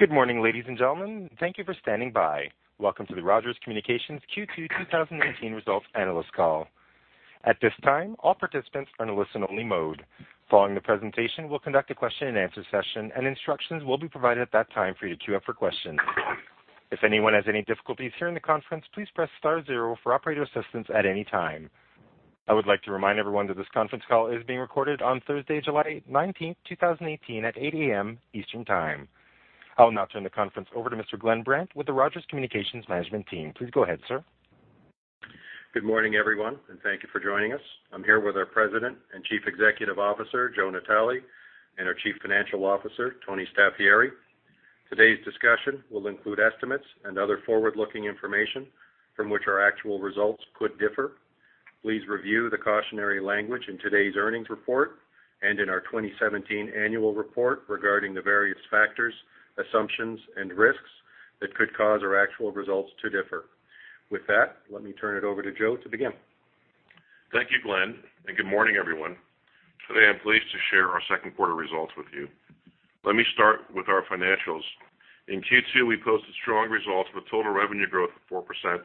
Good morning, ladies and gentlemen. Thank you for standing by. Welcome to the Rogers Communications Q2 2018 Results Analyst Call. At this time, all participants are in a listen-only mode. Following the presentation, we'll conduct a question-and-answer session, and instructions will be provided at that time for you to queue up for questions. If anyone has any difficulties hearing the conference, please press star zero for operator assistance at any time. I would like to remind everyone that this conference call is being recorded on Thursday, July 19, 2018, at 8:00 A.M. Eastern Time. I will now turn the conference over to Mr. Glenn Brandt with the Rogers Communications Management Team. Please go ahead, sir. Good morning, everyone, and thank you for joining us. I'm here with our President and Chief Executive Officer, Joe Natale, and our Chief Financial Officer, Tony Staffieri. Today's discussion will include estimates and other forward-looking information from which our actual results could differ. Please review the cautionary language in today's earnings report and in our 2017 annual report regarding the various factors, assumptions, and risks that could cause our actual results to differ. With that, let me turn it over to Joe to begin. Thank you, Glenn, and good morning, everyone. Today, I'm pleased to share our second quarter results with you. Let me start with our financials. In Q2, we posted strong results with total revenue growth of 4%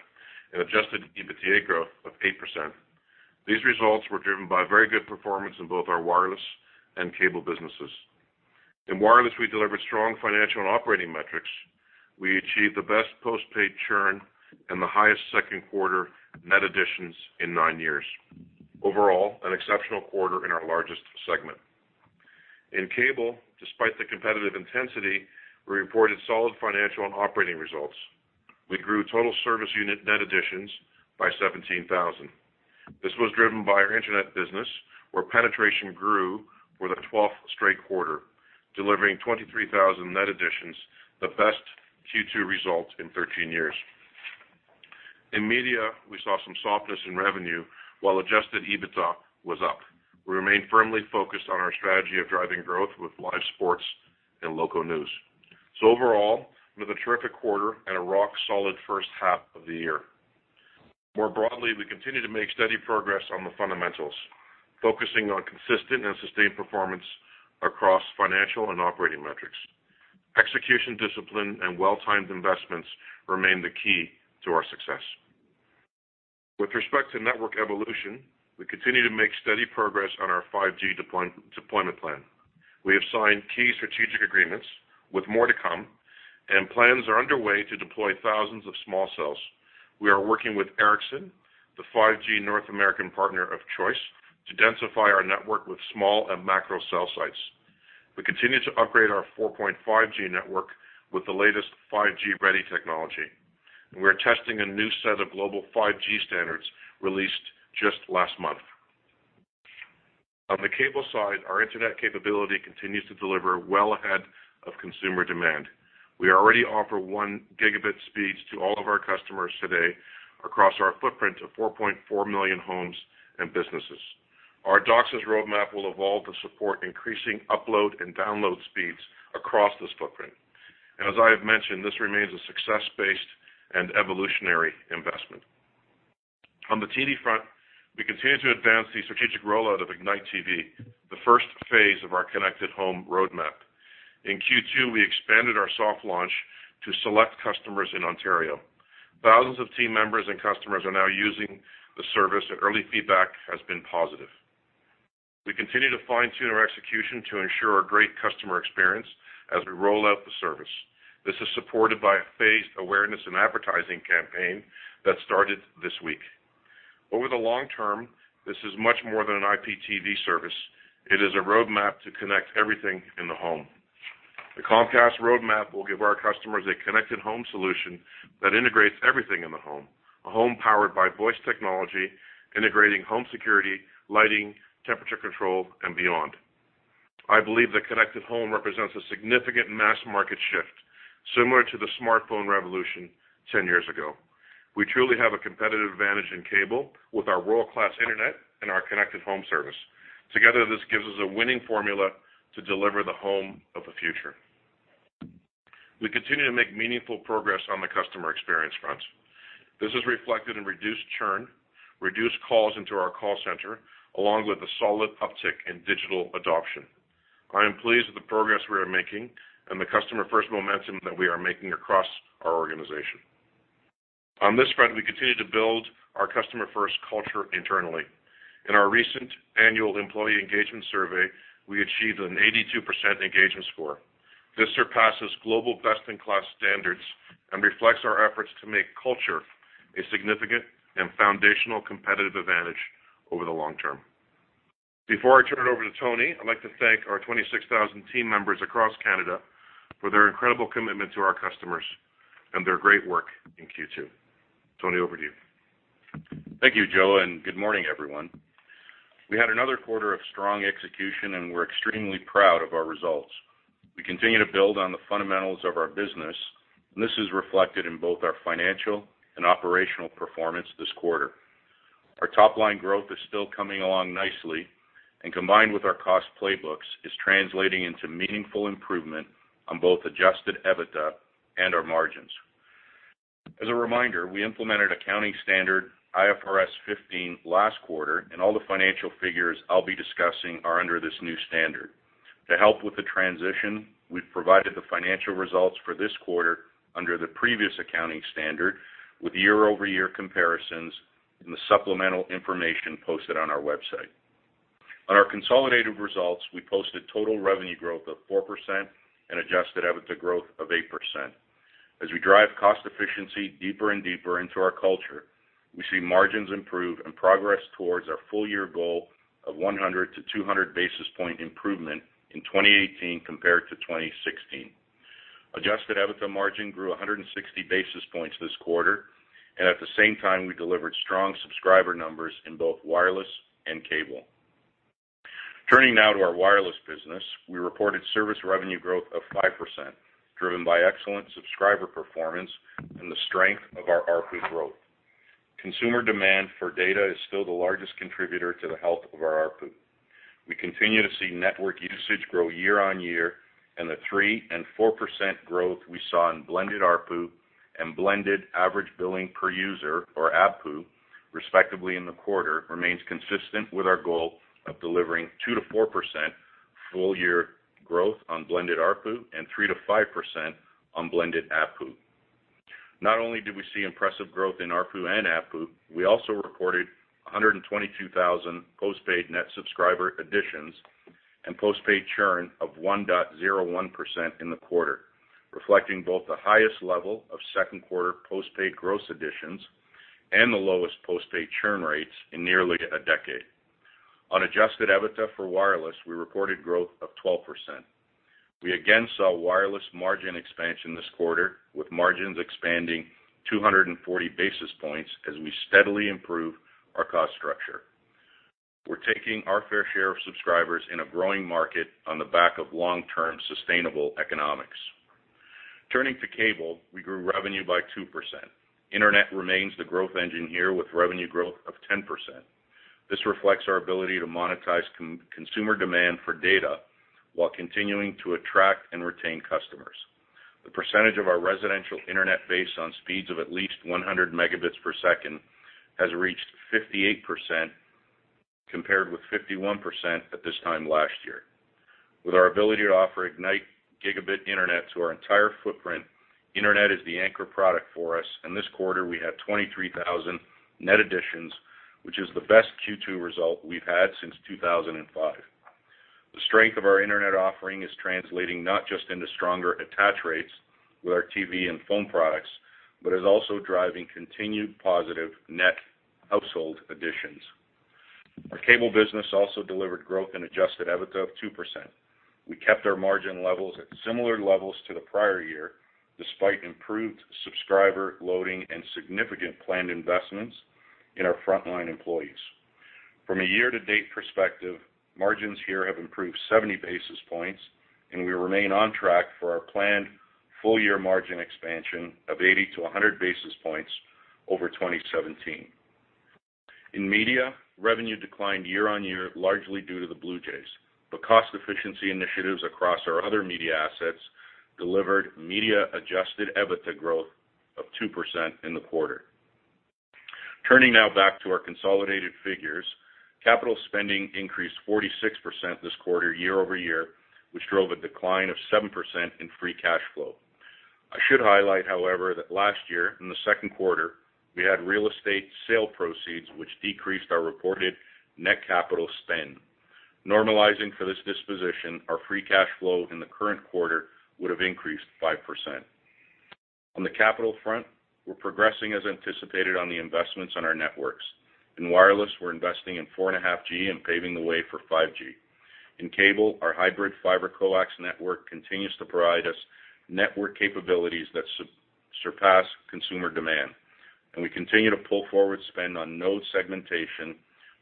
and Adjusted EBITDA growth of 8%. These results were driven by very good performance in both our wireless and cable businesses. In wireless, we delivered strong financial and operating metrics. We achieved the best postpaid churn and the highest second quarter net additions in nine years. Overall, an exceptional quarter in our largest segment. In cable, despite the competitive intensity, we reported solid financial and operating results. We grew total service unit net additions by 17,000. This was driven by our internet business, where penetration grew for the 12th straight quarter, delivering 23,000 net additions, the best Q2 result in 13 years. In media, we saw some softness in revenue while Adjusted EBITDA was up. We remained firmly focused on our strategy of driving growth with live sports and local news. So overall, we had a terrific quarter and a rock-solid first half of the year. More broadly, we continue to make steady progress on the fundamentals, focusing on consistent and sustained performance across financial and operating metrics. Execution discipline and well-timed investments remain the key to our success. With respect to network evolution, we continue to make steady progress on our 5G deployment plan. We have signed key strategic agreements with more to come, and plans are underway to deploy thousands of small cells. We are working with Ericsson, the 5G North American partner of choice, to densify our network with small and macro cell sites. We continue to upgrade our 4.5G network with the latest 5G-ready technology, and we are testing a new set of global 5G standards released just last month. On the cable side, our internet capability continues to deliver well ahead of consumer demand. We already offer one gigabit speeds to all of our customers today across our footprint of 4.4 million homes and businesses. Our DOCSIS roadmap will evolve to support increasing upload and download speeds across this footprint. As I have mentioned, this remains a success-based and evolutionary investment. On the TV front, we continue to advance the strategic rollout of Ignite TV, the first phase of our Connected Home roadmap. In Q2, we expanded our soft launch to select customers in Ontario. Thousands of team members and customers are now using the service, and early feedback has been positive. We continue to fine-tune our execution to ensure a great customer experience as we roll out the service. This is supported by a phased awareness and advertising campaign that started this week. Over the long term, this is much more than an IPTV service. It is a roadmap to connect everything in the home. The Comcast roadmap will give our customers a Connected Home solution that integrates everything in the home: a home powered by voice technology integrating home security, lighting, temperature control, and beyond. I believe that Connected Home represents a significant mass market shift, similar to the smartphone revolution 10 years ago. We truly have a competitive advantage in cable with our world-class internet and our Connected Home service. Together, this gives us a winning formula to deliver the home of the future. We continue to make meaningful progress on the customer experience front. This is reflected in reduced churn, reduced calls into our call center, along with a solid uptick in digital adoption. I am pleased with the progress we are making and the customer-first momentum that we are making across our organization. On this front, we continue to build our customer-first culture internally. In our recent annual employee engagement survey, we achieved an 82% engagement score. This surpasses global best-in-class standards and reflects our efforts to make culture a significant and foundational competitive advantage over the long term. Before I turn it over to Tony, I'd like to thank our 26,000 team members across Canada for their incredible commitment to our customers and their great work in Q2. Tony, over to you. Thank you, Joe, and good morning, everyone. We had another quarter of strong execution, and we're extremely proud of our results. We continue to build on the fundamentals of our business, and this is reflected in both our financial and operational performance this quarter. Our top-line growth is still coming along nicely, and combined with our cost playbooks, it is translating into meaningful improvement on both Adjusted EBITDA and our margins. As a reminder, we implemented accounting standard IFRS 15 last quarter, and all the financial figures I'll be discussing are under this new standard. To help with the transition, we've provided the financial results for this quarter under the previous accounting standard with year-over-year comparisons and the supplemental information posted on our website. On our consolidated results, we posted total revenue growth of 4% and Adjusted EBITDA growth of 8%. As we drive cost efficiency deeper and deeper into our culture, we see margins improve and progress towards our full-year goal of 100-200 basis points improvement in 2018 compared to 2016. Adjusted EBITDA margin grew 160 basis points this quarter, and at the same time, we delivered strong subscriber numbers in both wireless and cable. Turning now to our wireless business, we reported service revenue growth of 5%, driven by excellent subscriber performance and the strength of our ARPU growth. Consumer demand for data is still the largest contributor to the health of our ARPU. We continue to see network usage grow year-on-year, and the 3% and 4% growth we saw in blended ARPU and blended average billing per user, or ABPU, respectively in the quarter, remains consistent with our goal of delivering 2%-4% full-year growth on blended ARPU and 3%-5% on blended ABPU. Not only did we see impressive growth in ARPU and ABPU, we also reported 122,000 post-paid net subscriber additions and post-paid churn of 1.01% in the quarter, reflecting both the highest level of second quarter post-paid gross additions and the lowest post-paid churn rates in nearly a decade. On adjusted EBITDA for wireless, we reported growth of 12%. We again saw wireless margin expansion this quarter, with margins expanding 240 basis points as we steadily improve our cost structure. We're taking our fair share of subscribers in a growing market on the back of long-term sustainable economics. Turning to cable, we grew revenue by 2%. Internet remains the growth engine here with revenue growth of 10%. This reflects our ability to monetize consumer demand for data while continuing to attract and retain customers. The percentage of our residential internet based on speeds of at least 100 megabits per second has reached 58%, compared with 51% at this time last year. With our ability to offer Ignite Gigabit Internet to our entire footprint, internet is the anchor product for us, and this quarter we had 23,000 net additions, which is the best Q2 result we've had since 2005. The strength of our internet offering is translating not just into stronger attach rates with our TV and phone products, but is also driving continued positive net household additions. Our cable business also delivered growth in Adjusted EBITDA of 2%. We kept our margin levels at similar levels to the prior year despite improved subscriber loading and significant planned investments in our frontline employees. From a year-to-date perspective, margins here have improved 70 basis points, and we remain on track for our planned full-year margin expansion of 80 to 100 basis points over 2017. In media, revenue declined year-on-year largely due to the Blue Jays, but cost efficiency initiatives across our other media assets delivered media Adjusted EBITDA growth of 2% in the quarter. Turning now back to our consolidated figures, capital spending increased 46% this quarter year-over-year, which drove a decline of 7% in free cash flow. I should highlight, however, that last year in the second quarter, we had real estate sale proceeds, which decreased our reported net capital spend. Normalizing for this disposition, our free cash flow in the current quarter would have increased 5%. On the capital front, we're progressing as anticipated on the investments on our networks. In wireless, we're investing in 4.5G and paving the way for 5G. In cable, our hybrid fiber coax network continues to provide us network capabilities that surpass consumer demand, and we continue to pull forward spend on node segmentation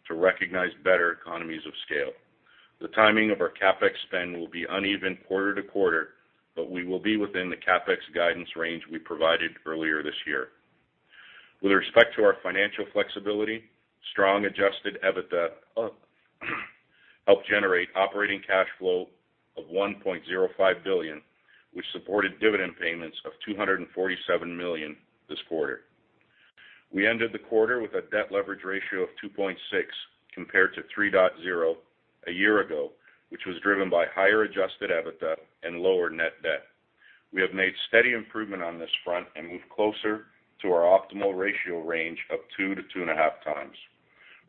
to recognize better economies of scale. The timing of our CapEx spend will be uneven quarter to quarter, but we will be within the CapEx guidance range we provided earlier this year. With respect to our financial flexibility, strong adjusted EBITDA helped generate operating cash flow of 1.05 billion, which supported dividend payments of 247 million this quarter. We ended the quarter with a debt leverage ratio of 2.6 compared to 3.0 a year ago, which was driven by higher adjusted EBITDA and lower net debt. We have made steady improvement on this front and moved closer to our optimal ratio range of 2 to 2.5 times.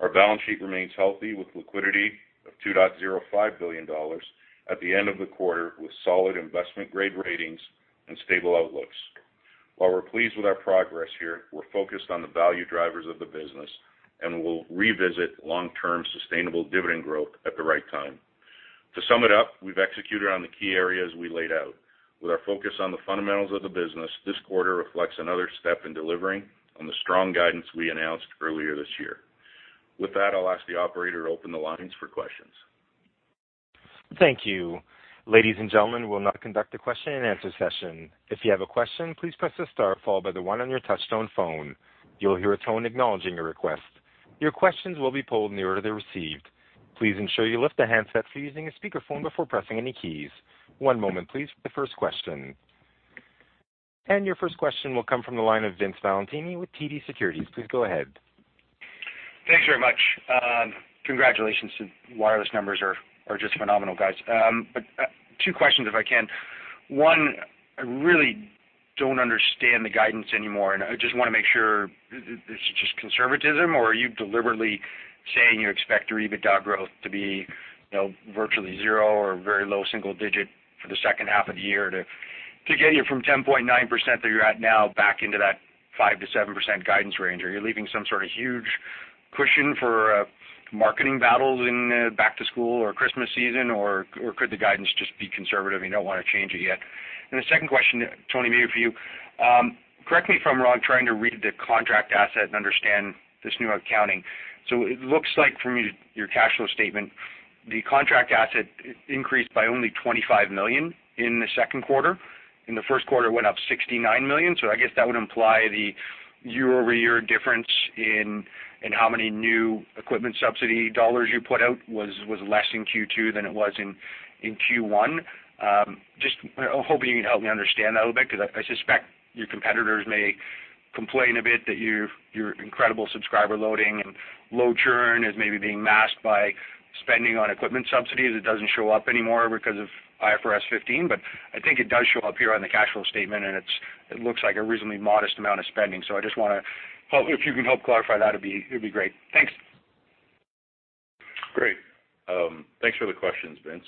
Our balance sheet remains healthy with liquidity of 2.05 billion dollars at the end of the quarter, with solid investment-grade ratings and stable outlooks. While we're pleased with our progress here, we're focused on the value drivers of the business and will revisit long-term sustainable dividend growth at the right time. To sum it up, we've executed on the key areas we laid out. With our focus on the fundamentals of the business, this quarter reflects another step in delivering on the strong guidance we announced earlier this year. With that, I'll ask the operator to open the lines for questions. Thank you. Ladies and gentlemen, we will now conduct a question-and-answer session. If you have a question, please press the star followed by the one on your touch-tone phone. You'll hear a tone acknowledging your request. Your questions will be polled in the order they're received. Please ensure you lift the handset if using a speakerphone before pressing any keys. One moment, please, for the first question. And your first question will come from the line of Vince Valentini with TD Securities. Please go ahead. Thanks very much. Congratulations. Wireless numbers are just phenomenal, guys. But two questions, if I can. One, I really don't understand the guidance anymore, and I just want to make sure, is it just conservatism, or are you deliberately saying you expect your EBITDA growth to be virtually zero or very low single digit for the second half of the year to get you from 10.9% that you're at now back into that 5%-7% guidance range? Are you leaving some sort of huge cushion for marketing battles in back-to-school or Christmas season, or could the guidance just be conservative? You don't want to change it yet. And the second question, Tony, maybe for you. Correct me if I'm wrong, trying to read the contract asset and understand this new accounting. So it looks like from your cash flow statement, the contract asset increased by only 25 million in the second quarter. In the first quarter, it went up 69 million. So I guess that would imply the year-over-year difference in how many new equipment subsidy dollars you put out was less in Q2 than it was in Q1. Just hoping you can help me understand that a little bit because I suspect your competitors may complain a bit that your incredible subscriber loading and low churn is maybe being masked by spending on equipment subsidies that doesn't show up anymore because of IFRS 15. But I think it does show up here on the cash flow statement, and it looks like a reasonably modest amount of spending. So I just want to, if you can help clarify that, it would be great. Thanks. Great. Thanks for the questions, Vince.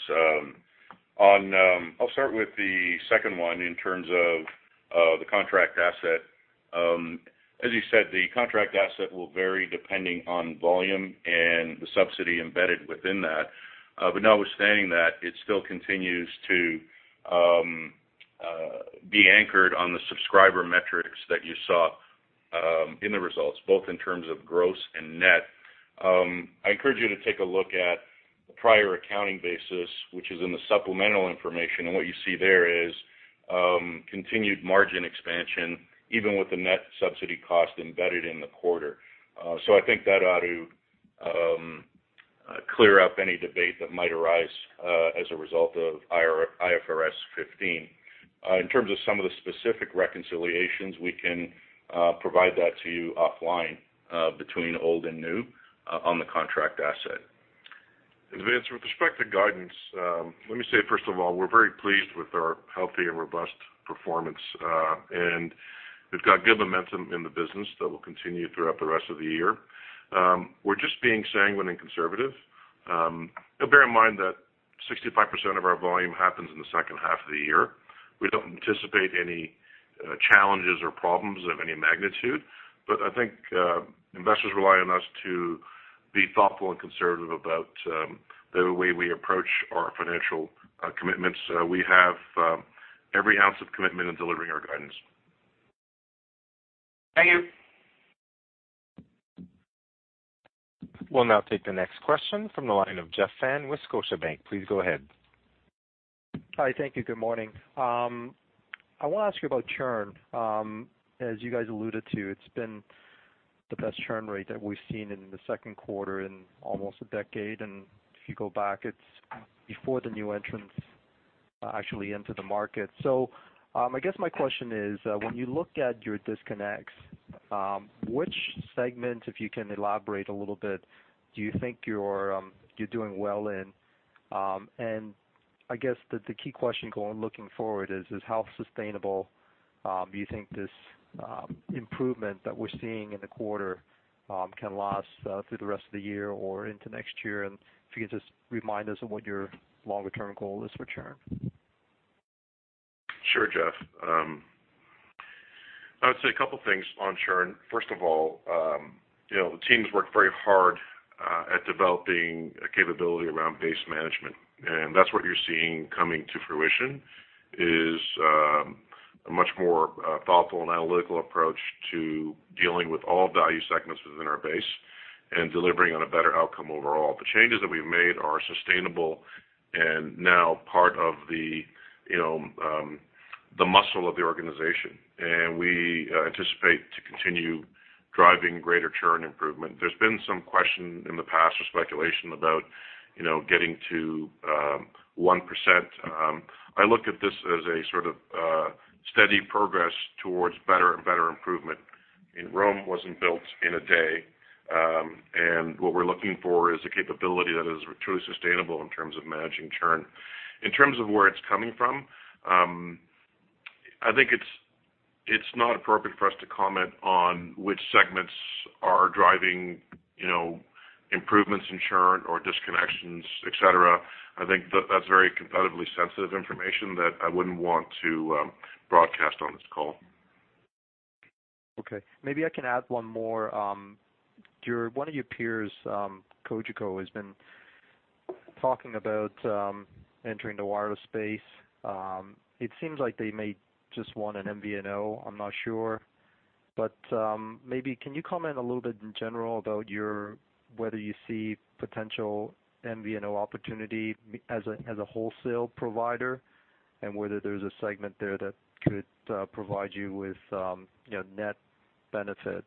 I'll start with the second one in terms of the contract asset. As you said, the contract asset will vary depending on volume and the subsidy embedded within that. But notwithstanding that, it still continues to be anchored on the subscriber metrics that you saw in the results, both in terms of gross and net. I encourage you to take a look at the prior accounting basis, which is in the supplemental information, and what you see there is continued margin expansion, even with the net subsidy cost embedded in the quarter. So I think that ought to clear up any debate that might arise as a result of IFRS 15. In terms of some of the specific reconciliations, we can provide that to you offline between old and new on the contract asset. Vince, with respect to guidance, let me say, first of all, we're very pleased with our healthy and robust performance, and we've got good momentum in the business that will continue throughout the rest of the year. We're just being sanguine and conservative. Bear in mind that 65% of our volume happens in the second half of the year. We don't anticipate any challenges or problems of any magnitude, but I think investors rely on us to be thoughtful and conservative about the way we approach our financial commitments. We have every ounce of commitment in delivering our guidance. Thank you. We'll now take the next question from the line of Jeff Fan with Scotiabank. Please go ahead. Hi, thank you. Good morning. I want to ask you about churn. As you guys alluded to, it's been the best churn rate that we've seen in the second quarter in almost a decade, and if you go back, it's before the new entrants actually enter the market. So I guess my question is, when you look at your disconnects, which segment, if you can elaborate a little bit, do you think you're doing well in? And I guess the key question going looking forward is, how sustainable do you think this improvement that we're seeing in the quarter can last through the rest of the year or into next year? And if you could just remind us of what your longer-term goal is for churn. Sure, Jeff. I would say a couple of things on churn. First of all, the teams worked very hard at developing a capability around base management, and that's what you're seeing coming to fruition, is a much more thoughtful and analytical approach to dealing with all value segments within our base and delivering on a better outcome overall. The changes that we've made are sustainable and now part of the muscle of the organization, and we anticipate to continue driving greater churn improvement. There's been some question in the past or speculation about getting to 1%. I look at this as a sort of steady progress towards better and better improvement. Rome wasn't built in a day, and what we're looking for is a capability that is truly sustainable in terms of managing churn. In terms of where it's coming from, I think it's not appropriate for us to comment on which segments are driving improvements in churn or disconnections, etc. I think that's very competitively sensitive information that I wouldn't want to broadcast on this call. Okay. Maybe I can add one more. One of your peers, Cogeco, has been talking about entering the wireless space. It seems like they may just want an MVNO. I'm not sure. But maybe can you comment a little bit in general about whether you see potential MVNO opportunity as a wholesale provider and whether there's a segment there that could provide you with net benefit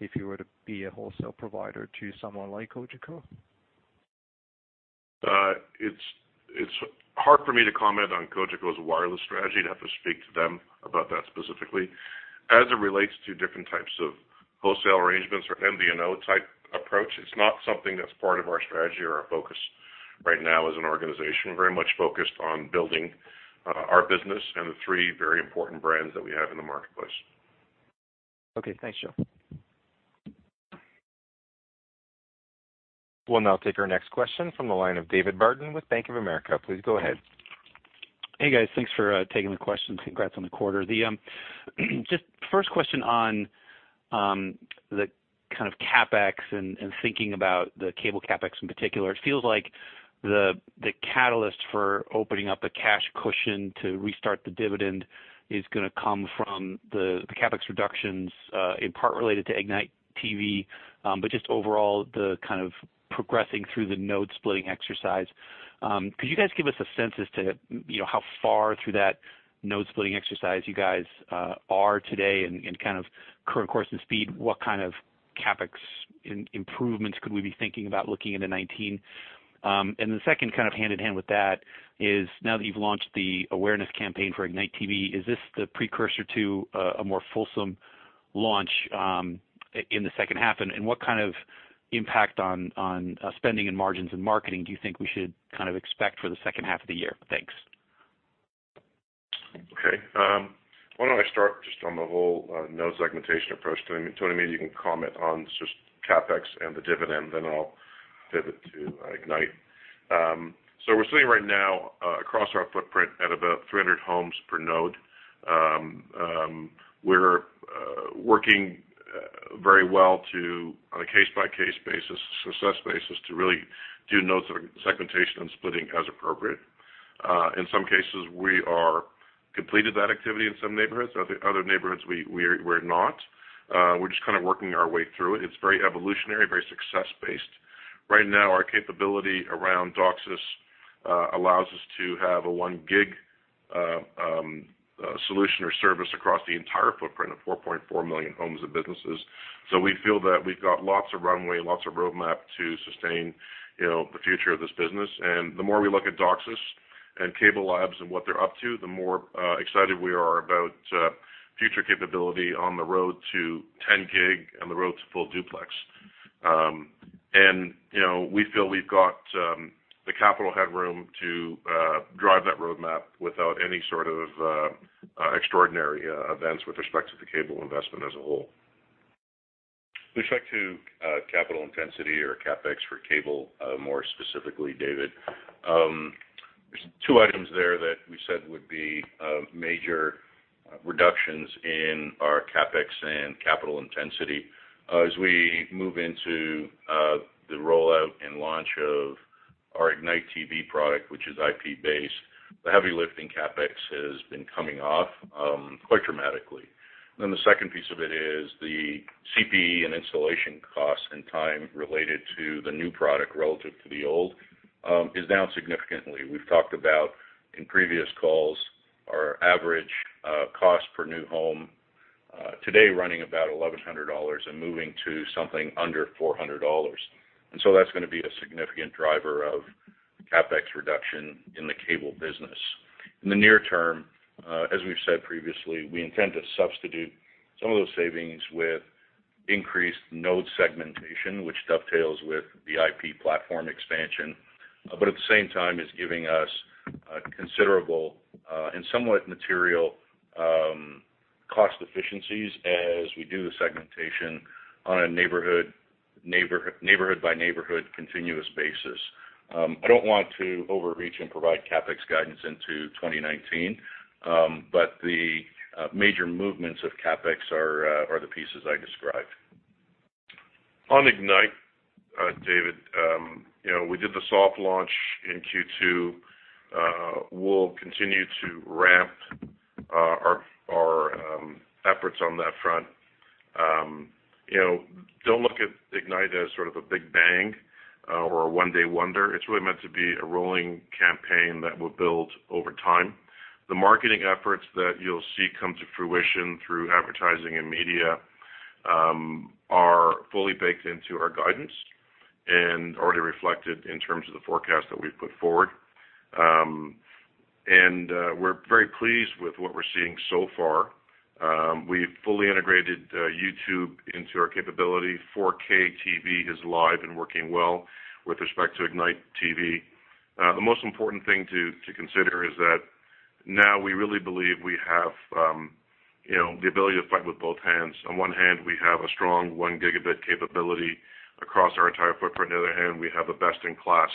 if you were to be a wholesale provider to someone like Cogeco? It's hard for me to comment on Cogeco's wireless strategy. I'd have to speak to them about that specifically. As it relates to different types of wholesale arrangements or MVNO-type approach, it's not something that's part of our strategy or our focus right now as an organization. We're very much focused on building our business and the three very important brands that we have in the marketplace. Okay. Thanks, Joe. We'll now take our next question from the line of David Barden with Bank of America. Please go ahead. Hey, guys. Thanks for taking the question. Congrats on the quarter. Just first question on the kind of CapEx and thinking about the cable CapEx in particular. It feels like the catalyst for opening up a cash cushion to restart the dividend is going to come from the CapEx reductions in part related to Ignite TV, but just overall the kind of progressing through the node-splitting exercise. Could you guys give us a sense as to how far through that node-splitting exercise you guys are today and kind of current course and speed? What kind of CapEx improvements could we be thinking about looking into 2019? And then second, kind of hand in hand with that, is now that you've launched the awareness campaign for Ignite TV, is this the precursor to a more fulsome launch in the second half? What kind of impact on spending and margins and marketing do you think we should kind of expect for the second half of the year? Thanks. Okay. Why don't I start just on the whole node segmentation approach? Tony, maybe you can comment on just CapEx and the dividend, then I'll pivot to Ignite. So we're sitting right now across our footprint at about 300 homes per node. We're working very well on a case-by-case basis, success basis, to really do node segmentation and splitting as appropriate. In some cases, we are completed that activity in some neighborhoods. Other neighborhoods, we're not. We're just kind of working our way through it. It's very evolutionary, very success-based. Right now, our capability around DOCSIS allows us to have a one-gig solution or service across the entire footprint of 4.4 million homes and businesses. So we feel that we've got lots of runway, lots of roadmap to sustain the future of this business. The more we look at DOCSIS and CableLabs and what they're up to, the more excited we are about future capability on the road to 10 gig and the road to full duplex. We feel we've got the capital headroom to drive that roadmap without any sort of extraordinary events with respect to the cable investment as a whole. With respect to capital intensity or CapEx for cable more specifically, David, there's two items there that we said would be major reductions in our CapEx and capital intensity. As we move into the rollout and launch of our Ignite TV product, which is IP-based, the heavy lifting CapEx has been coming off quite dramatically. Then the second piece of it is the CPE and installation costs and time related to the new product relative to the old is down significantly. We've talked about in previous calls our average cost per new home today running about 1,100 dollars and moving to something under 400 dollars. And so that's going to be a significant driver of CapEx reduction in the cable business. In the near term, as we've said previously, we intend to substitute some of those savings with increased node segmentation, which dovetails with the IP platform expansion, but at the same time is giving us considerable and somewhat material cost efficiencies as we do the segmentation on a neighborhood-by-neighborhood continuous basis. I don't want to overreach and provide CapEx guidance into 2019, but the major movements of CapEx are the pieces I described. On Ignite, David, we did the soft launch in Q2. We'll continue to ramp our efforts on that front. Don't look at Ignite as sort of a big bang or a one-day wonder. It's really meant to be a rolling campaign that will build over time. The marketing efforts that you'll see come to fruition through advertising and media are fully baked into our guidance and already reflected in terms of the forecast that we've put forward, and we're very pleased with what we're seeing so far. We've fully integrated YouTube into our capability. 4K TV is live and working well with respect to Ignite TV. The most important thing to consider is that now we really believe we have the ability to fight with both hands. On one hand, we have a strong one-gigabit capability across our entire footprint. On the other hand, we have a best-in-class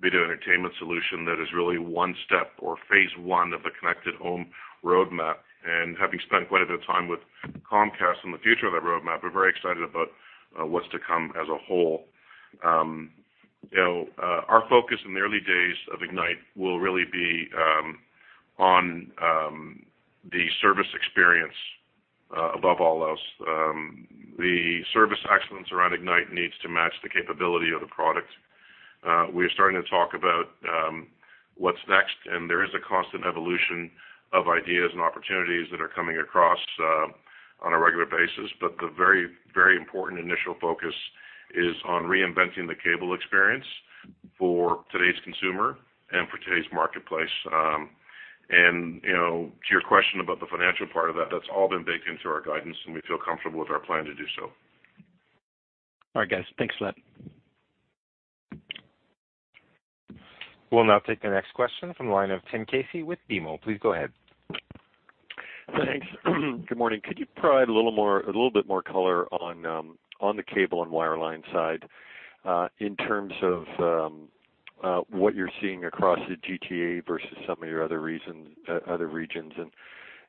video entertainment solution that is really one step or phase one of the connected home roadmap, and having spent quite a bit of time with Comcast on the future of that roadmap, we're very excited about what's to come as a whole. Our focus in the early days of Ignite will really be on the service experience above all else. The service excellence around Ignite needs to match the capability of the product. We are starting to talk about what's next, and there is a constant evolution of ideas and opportunities that are coming across on a regular basis, but the very, very important initial focus is on reinventing the cable experience for today's consumer and for today's marketplace. To your question about the financial part of that, that's all been baked into our guidance, and we feel comfortable with our plan to do so. All right, guys. Thanks for that. We'll now take the next question from the line of Tim Casey with BMO. Please go ahead. Thanks. Good morning. Could you provide a little bit more color on the cable and wireline side in terms of what you're seeing across the GTA versus some of your other regions?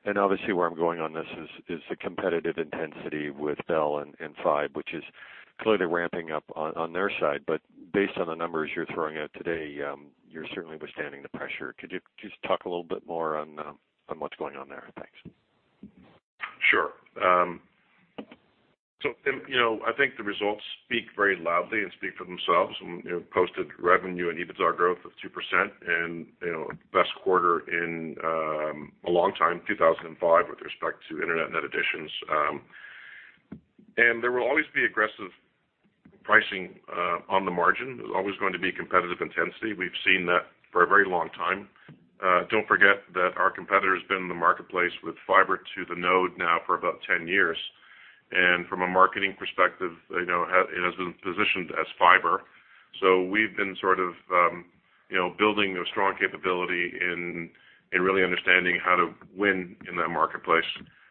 And obviously, where I'm going on this is the competitive intensity with Bell and Fibe, which is clearly ramping up on their side. But based on the numbers you're throwing out today, you're certainly withstanding the pressure. Could you just talk a little bit more on what's going on there? Thanks. Sure. So I think the results speak very loudly and speak for themselves. We posted revenue and EBITDA growth of 2% and best quarter in a long time, 2005, with respect to internet net additions. And there will always be aggressive pricing on the margin. There's always going to be competitive intensity. We've seen that for a very long time. Don't forget that our competitor has been in the marketplace with fiber to the node now for about 10 years. And from a marketing perspective, it has been positioned as fiber. So we've been sort of building a strong capability in really understanding how to win in that marketplace.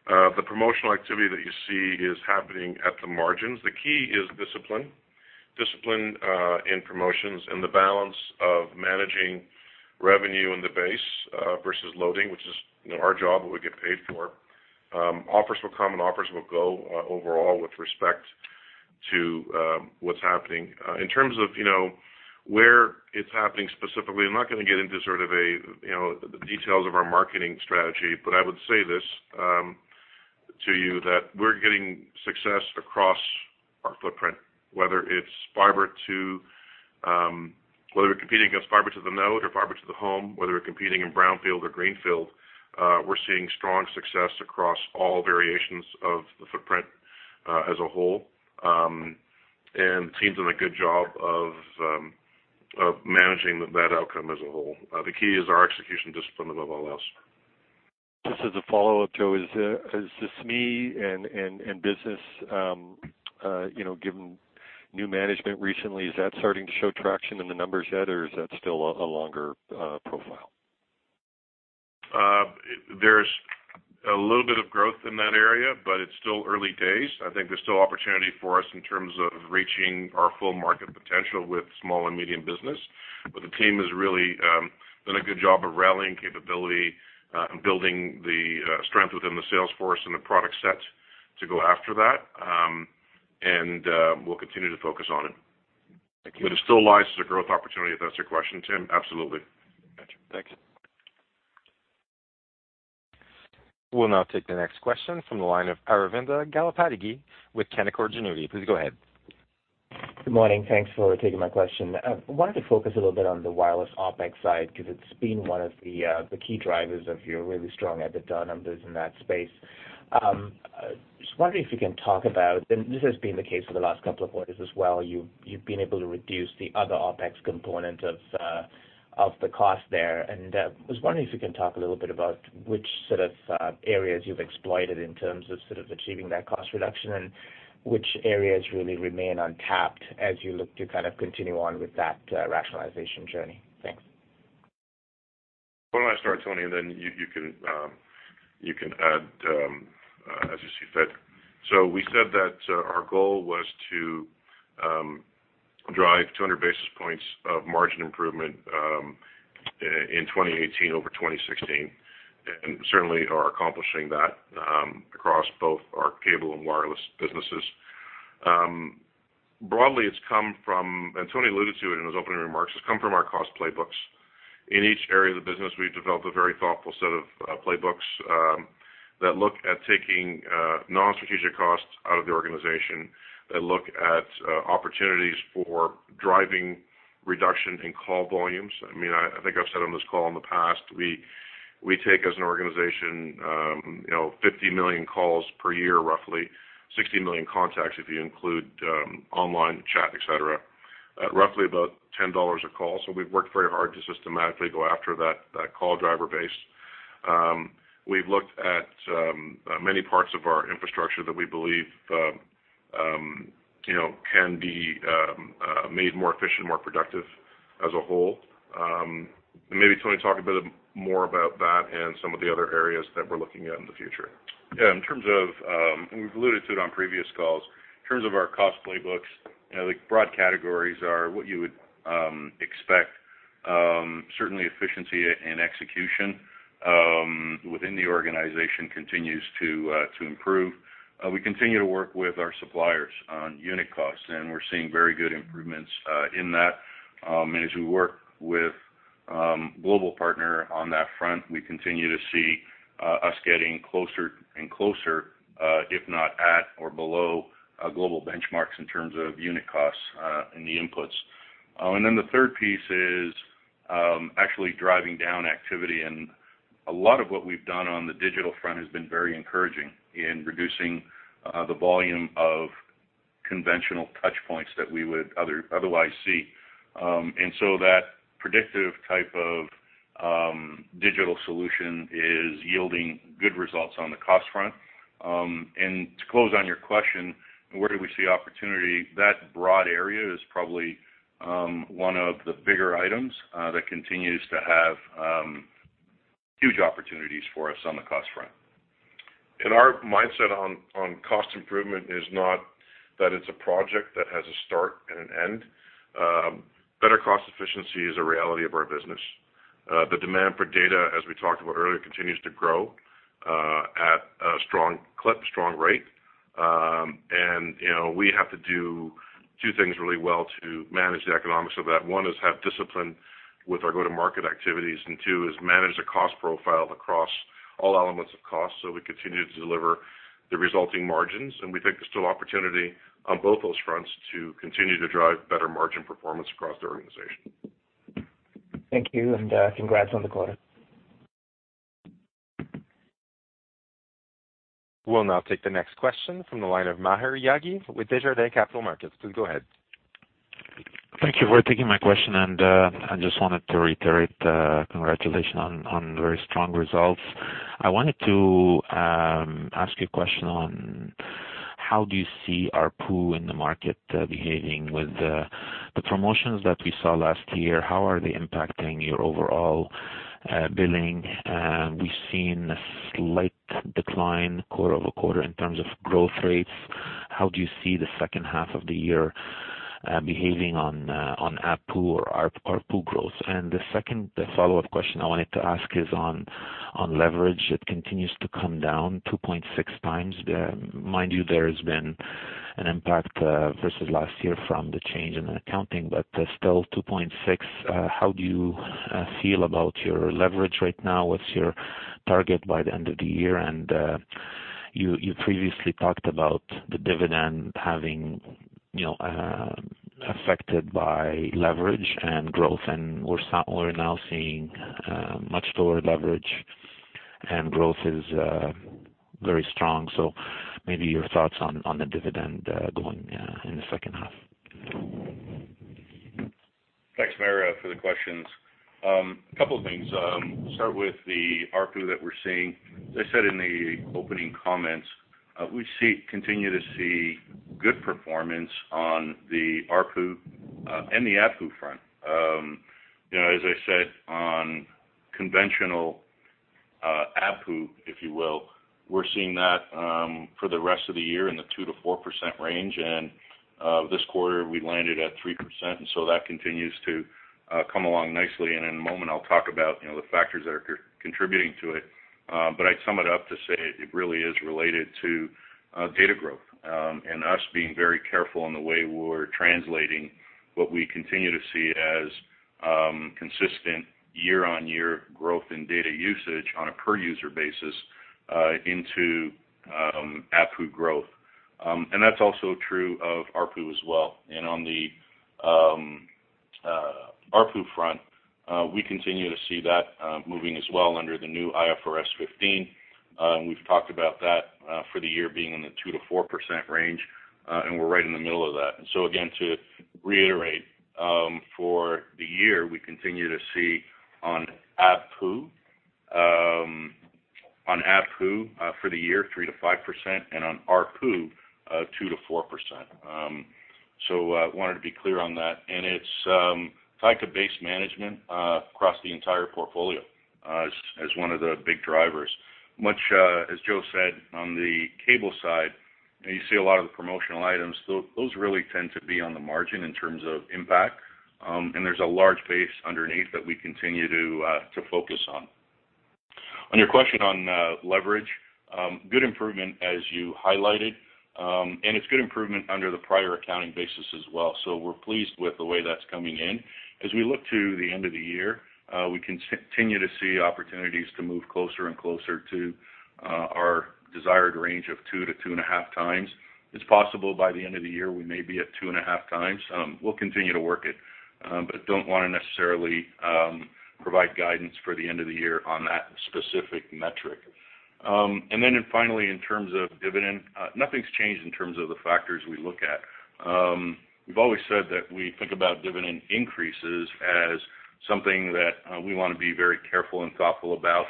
The promotional activity that you see is happening at the margins. The key is discipline, discipline in promotions, and the balance of managing revenue in the base versus loading, which is our job, what we get paid for. Offers will come and offers will go overall with respect to what's happening. In terms of where it's happening specifically, I'm not going to get into sort of the details of our marketing strategy, but I would say this to you: we're getting success across our footprint, whether we're competing against fiber to the node or fiber to the home, whether we're competing in brownfield or greenfield. We're seeing strong success across all variations of the footprint as a whole, and the team's done a good job of managing that outcome as a whole. The key is our execution discipline above all else. Just as a follow-up, Joe, in the media business given new management recently, is that starting to show traction in the numbers yet, or is that still a longer profile? There's a little bit of growth in that area, but it's still early days. I think there's still opportunity for us in terms of reaching our full market potential with small and medium business. But the team has really done a good job of rallying capability and building the strength within the salesforce and the product set to go after that. And we'll continue to focus on it. But it still lies as a growth opportunity, if that's your question, Tim. Absolutely. Gotcha. Thanks. We'll now take the next question from the line of Aravinda Galappatthige with Canaccord Genuity. Please go ahead. Good morning. Thanks for taking my question. I wanted to focus a little bit on the wireless OpEx side because it's been one of the key drivers of your really strong EBITDA numbers in that space. Just wondering if you can talk about, and this has been the case for the last couple of quarters as well, you've been able to reduce the other OpEx component of the cost there, and I was wondering if you can talk a little bit about which sort of areas you've exploited in terms of sort of achieving that cost reduction and which areas really remain untapped as you look to kind of continue on with that rationalization journey. Thanks. Why don't I start, Tony, and then you can add as you see fit. So we said that our goal was to drive 200 basis points of margin improvement in 2018 over 2016 and certainly are accomplishing that across both our cable and wireless businesses. Broadly, it's come from, and Tony alluded to it in his opening remarks, it's come from our cost playbooks. In each area of the business, we've developed a very thoughtful set of playbooks that look at taking non-strategic costs out of the organization, that look at opportunities for driving reduction in call volumes. I mean, I think I've said on this call in the past, we take as an organization 50 million calls per year, roughly 60 million contacts if you include online chat, etc., roughly about 10 dollars a call. So we've worked very hard to systematically go after that call driver base. We've looked at many parts of our infrastructure that we believe can be made more efficient, more productive as a whole. And maybe Tony talk a bit more about that and some of the other areas that we're looking at in the future. Yeah. In terms of, and we've alluded to it on previous calls, in terms of our cost playbooks, the broad categories are what you would expect. Certainly, efficiency and execution within the organization continues to improve. We continue to work with our suppliers on unit costs, and we're seeing very good improvements in that. And as we work with a global partner on that front, we continue to see us getting closer and closer, if not at or below global benchmarks in terms of unit costs and the inputs. And then the third piece is actually driving down activity. A lot of what we've done on the digital front has been very encouraging in reducing the volume of conventional touchpoints that we would otherwise see. So that predictive type of digital solution is yielding good results on the cost front. To close on your question, where do we see opportunity? That broad area is probably one of the bigger items that continues to have huge opportunities for us on the cost front. Our mindset on cost improvement is not that it's a project that has a start and an end. Better cost efficiency is a reality of our business. The demand for data, as we talked about earlier, continues to grow at a strong clip, strong rate. We have to do two things really well to manage the economics of that. One is have discipline with our go-to-market activities, and two is manage the cost profile across all elements of cost so we continue to deliver the resulting margins, and we think there's still opportunity on both those fronts to continue to drive better margin performance across the organization. Thank you, and congrats on the quarter. We'll now take the next question from the line of Maher Yaghi with Desjardins Capital Markets. Please go ahead. Thank you for taking my question, and I just wanted to reiterate congratulations on very strong results. I wanted to ask you a question on how do you see ARPU in the market behaving with the promotions that we saw last year? How are they impacting your overall billing? We've seen a slight decline quarter over quarter in terms of growth rates. How do you see the second half of the year behaving on ARPU or ARPU growth? And the second follow-up question I wanted to ask is on leverage. It continues to come down 2.6 times. Mind you, there has been an impact versus last year from the change in accounting, but still 2.6. How do you feel about your leverage right now? What's your target by the end of the year? You previously talked about the dividend being affected by leverage and growth, and we're now seeing much lower leverage, and growth is very strong. Maybe your thoughts on the dividend going in the second half. Thanks, Maher, for the questions. A couple of things. Start with the ARPU that we're seeing. As I said in the opening comments, we continue to see good performance on the ARPU and the APU front. As I said, on conventional APU, if you will, we're seeing that for the rest of the year in the 2%-4% range, and this quarter, we landed at 3%, and so that continues to come along nicely, and in a moment, I'll talk about the factors that are contributing to it, but I'd sum it up to say it really is related to data growth and us being very careful in the way we're translating what we continue to see as consistent year-on-year growth in data usage on a per-user basis into APU growth, and that's also true of ARPU as well. On the ARPU front, we continue to see that moving as well under the new IFRS 15. We've talked about that for the year being in the 2%-4% range, and we're right in the middle of that. So again, to reiterate, for the year, we continue to see on APU for the year 3%-5% and on ARPU 2%-4%. I wanted to be clear on that. It's tied to base management across the entire portfolio as one of the big drivers. Much as Joe said, on the cable side, you see a lot of the promotional items. Those really tend to be on the margin in terms of impact. There's a large base underneath that we continue to focus on. On your question on leverage, good improvement as you highlighted. It's good improvement under the prior accounting basis as well. We're pleased with the way that's coming in. As we look to the end of the year, we continue to see opportunities to move closer and closer to our desired range of 2-2.5 times. It's possible by the end of the year we may be at 2.5 times. We'll continue to work it, but don't want to necessarily provide guidance for the end of the year on that specific metric. Then finally, in terms of dividend, nothing's changed in terms of the factors we look at. We've always said that we think about dividend increases as something that we want to be very careful and thoughtful about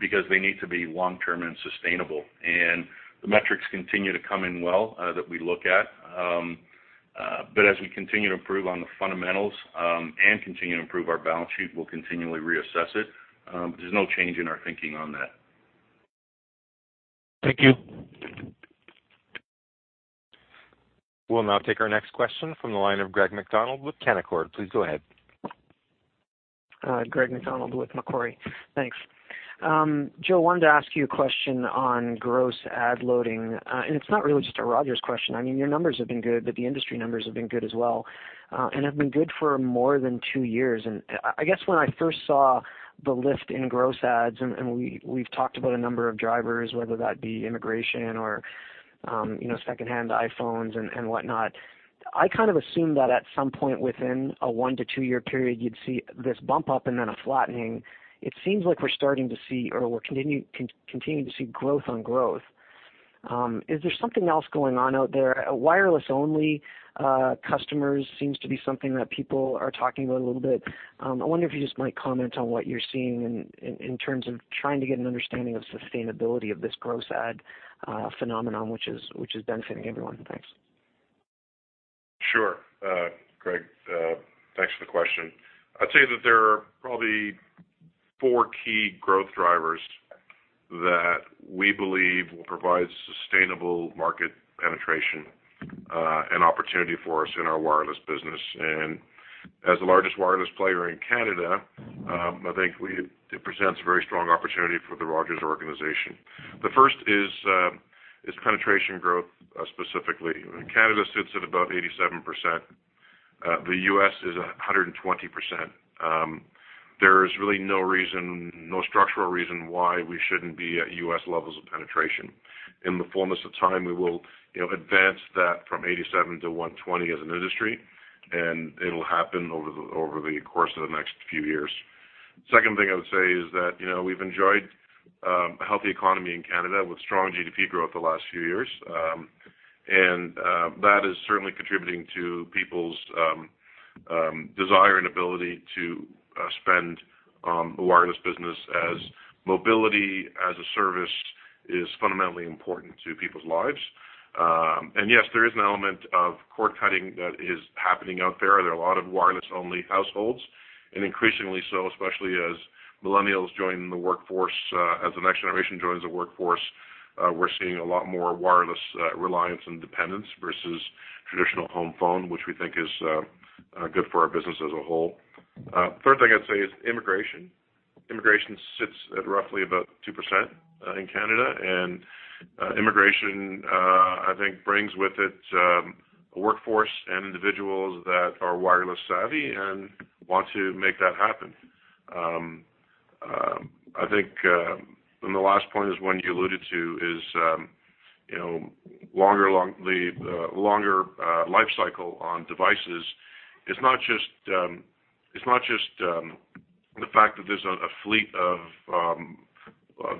because they need to be long-term and sustainable. The metrics continue to come in well that we look at. But as we continue to improve on the fundamentals and continue to improve our balance sheet, we'll continually reassess it. There's no change in our thinking on that. Thank you. We'll now take our next question from the line of Greg MacDonald with Macquarie. Please go ahead. Greg MacDonald with Macquarie. Thanks. Joe, wanted to ask you a question on gross add loading. And it's not really just a Rogers question. I mean, your numbers have been good, but the industry numbers have been good as well and have been good for more than two years. And I guess when I first saw the lift in gross add, and we've talked about a number of drivers, whether that be immigration or secondhand iPhones and whatnot, I kind of assumed that at some point within a one to two-year period, you'd see this bump up and then a flattening. It seems like we're starting to see or we're continuing to see growth on growth. Is there something else going on out there? Wireless-only customers seems to be something that people are talking about a little bit. I wonder if you just might comment on what you're seeing in terms of trying to get an understanding of sustainability of this gross add phenomenon, which is benefiting everyone. Thanks. Sure. Greg, thanks for the question. I'd say that there are probably four key growth drivers that we believe will provide sustainable market penetration and opportunity for us in our wireless business. And as the largest wireless player in Canada, I think it presents a very strong opportunity for the Rogers organization. The first is penetration growth specifically. Canada sits at about 87%. The U.S. is 120%. There is really no structural reason why we shouldn't be at U.S. levels of penetration. In the fullness of time, we will advance that from 87 to 120 as an industry, and it'll happen over the course of the next few years. Second thing I would say is that we've enjoyed a healthy economy in Canada with strong GDP growth the last few years. And that is certainly contributing to people's desire and ability to spend on the wireless business as mobility as a service is fundamentally important to people's lives. And yes, there is an element of cord cutting that is happening out there. There are a lot of wireless-only households. And increasingly so, especially as millennials join the workforce, as the next generation joins the workforce, we're seeing a lot more wireless reliance and dependence versus traditional home phone, which we think is good for our business as a whole. The third thing I'd say is immigration. Immigration sits at roughly about 2% in Canada. And immigration, I think, brings with it a workforce and individuals that are wireless-savvy and want to make that happen. I think then the last point is one you alluded to is longer lifecycle on devices. It's not just the fact that there's a fleet of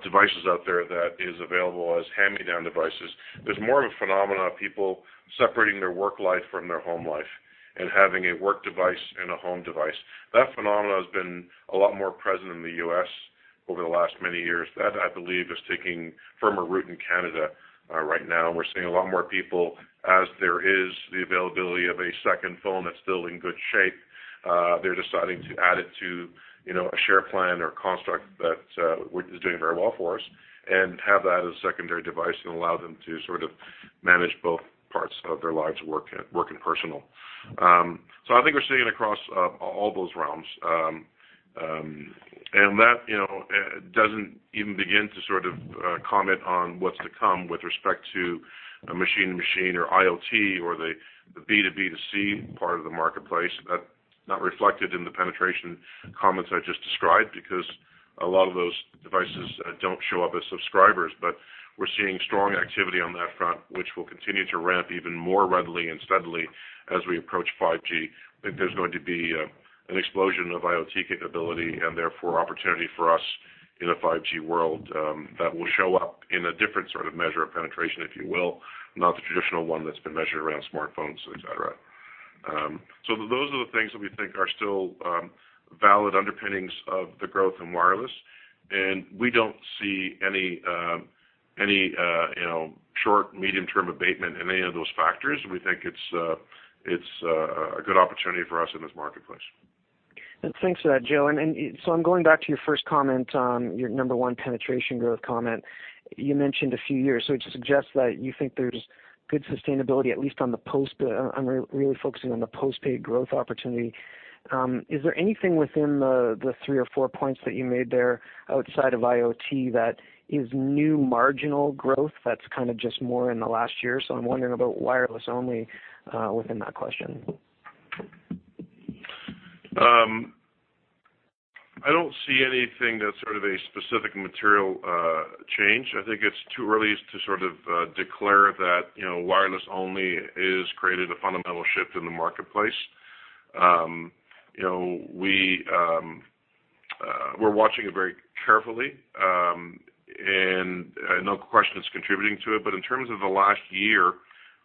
devices out there that is available as hand-me-down devices. There's more of a phenomenon of people separating their work life from their home life and having a work device and a home device. That phenomenon has been a lot more present in the U.S. over the last many years. That, I believe, is taking a firmer root in Canada right now. We're seeing a lot more people, as there is the availability of a second phone that's still in good shape, they're deciding to add it to a share plan or a construct that is doing very well for us and have that as a secondary device and allow them to sort of manage both parts of their lives, work and personal. So I think we're seeing it across all those realms. And that doesn't even begin to sort of comment on what's to come with respect to machine-to-machine or IoT or the B2B2C part of the marketplace. That's not reflected in the penetration comments I just described because a lot of those devices don't show up as subscribers. But we're seeing strong activity on that front, which will continue to ramp even more readily and steadily as we approach 5G. I think there's going to be an explosion of IoT capability and therefore opportunity for us in a 5G world that will show up in a different sort of measure of penetration, if you will, not the traditional one that's been measured around smartphones, etc. So those are the things that we think are still valid underpinnings of the growth in wireless. And we don't see any short, medium-term abatement in any of those factors. We think it's a good opportunity for us in this marketplace. Thanks for that, Joe, and so I'm going back to your first comment, your number one penetration growth comment. You mentioned a few years, so it suggests that you think there's good sustainability, at least on the postpaid, but I'm really focusing on the postpaid growth opportunity. Is there anything within the three or four points that you made there outside of IoT that is new marginal growth that's kind of just more in the last year, so I'm wondering about wireless-only within that question. I don't see anything that's sort of a specific material change. I think it's too early to sort of declare that wireless-only has created a fundamental shift in the marketplace. We're watching it very carefully, and no question it's contributing to it. But in terms of the last year,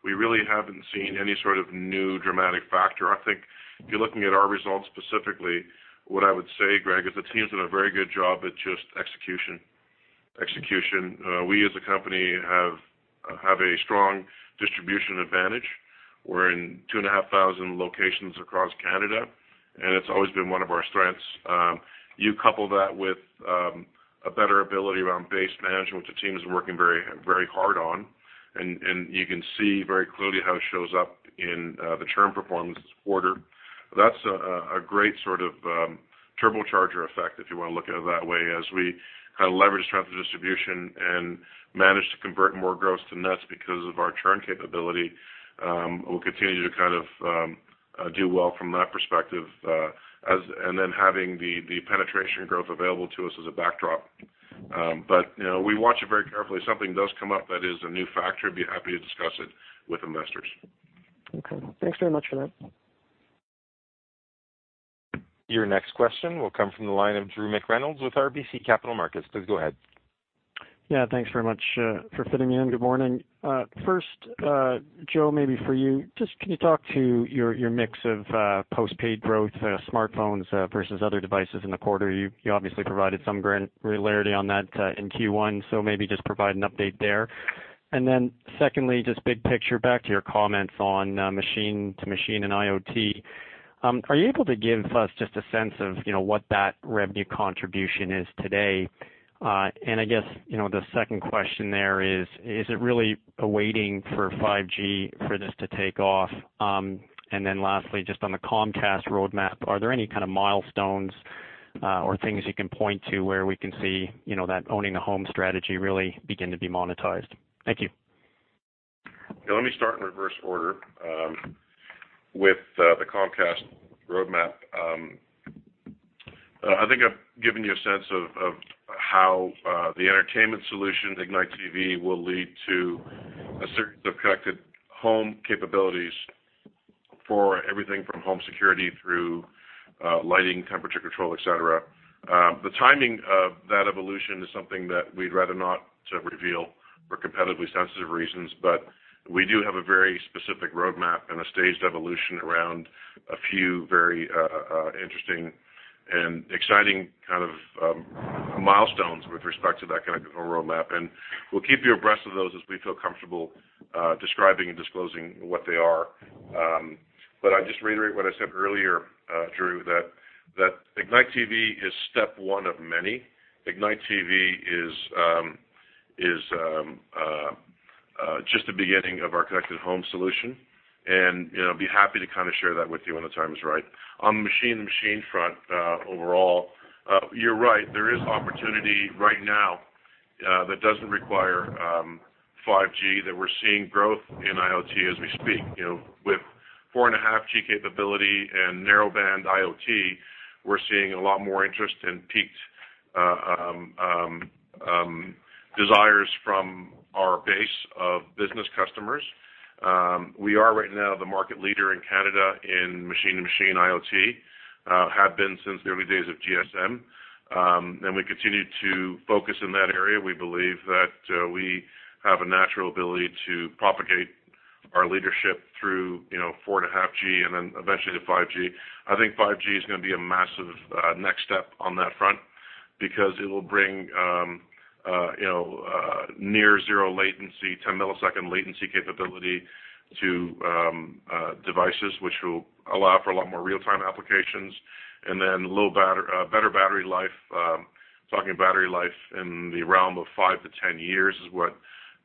we really haven't seen any sort of new dramatic factor. I think if you're looking at our results specifically, what I would say, Greg, is the teams have done a very good job at just execution. Execution. We, as a company, have a strong distribution advantage. We're in 2,500 locations across Canada, and it's always been one of our strengths. You couple that with a better ability around base management, which the teams are working very hard on. And you can see very clearly how it shows up in the churn performance this quarter. That's a great sort of turbocharger effect, if you want to look at it that way, as we kind of leverage strength of distribution and manage to convert more gross to nets because of our churn capability. We'll continue to kind of do well from that perspective. And then having the penetration growth available to us as a backdrop. But we watch it very carefully. If something does come up that is a new factor, I'd be happy to discuss it with investors. Okay. Thanks very much for that. Your next question will come from the line of Drew McReynolds with RBC Capital Markets. Please go ahead. Yeah. Thanks very much for fitting me in. Good morning. First, Joe, maybe for you, just can you talk to your mix of postpaid growth, smartphones versus other devices in the quarter? You obviously provided some granularity on that in Q1, so maybe just provide an update there. And then secondly, just big picture back to your comments on machine-to-machine and IoT. Are you able to give us just a sense of what that revenue contribution is today? And I guess the second question there is, is it really awaiting for 5G for this to take off? And then lastly, just on the Comcast roadmap, are there any kind of milestones or things you can point to where we can see that connected home strategy really begin to be monetized? Thank you. Let me start in reverse order with the Comcast roadmap. I think I've given you a sense of how the entertainment solution, Ignite TV, will lead to a series of connected home capabilities for everything from home security through lighting, temperature control, etc. The timing of that evolution is something that we'd rather not reveal for competitively sensitive reasons, but we do have a very specific roadmap and a staged evolution around a few very interesting and exciting kind of milestones with respect to that kind of roadmap, and we'll keep you abreast of those as we feel comfortable describing and disclosing what they are. But I just reiterate what I said earlier, Drew, that Ignite TV is step one of many. Ignite TV is just the beginning of our connected home solution, and I'd be happy to kind of share that with you when the time is right. On the machine-to-machine front overall, you're right. There is opportunity right now that doesn't require 5G. We're seeing growth in IoT as we speak. With 4.5G capability and Narrowband IoT, we're seeing a lot more interest and piqued desires from our base of business customers. We are right now the market leader in Canada in machine-to-machine IoT, have been since the early days of GSM. And we continue to focus in that area. We believe that we have a natural ability to propagate our leadership through 4.5G and then eventually to 5G. I think 5G is going to be a massive next step on that front because it will bring near-zero latency, 10-millisecond latency capability to devices, which will allow for a lot more real-time applications, and then better battery life. Talking battery life in the realm of five to 10 years is what